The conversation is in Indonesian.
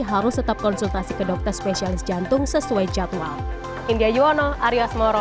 harus tetap konsultasi ke dokter spesialis jantung sesuai jadwal